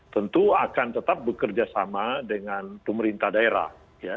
tentu akan tetap bekerjasama dengan pemerintah daerah